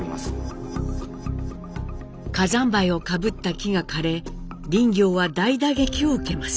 火山灰をかぶった木が枯れ林業は大打撃を受けます。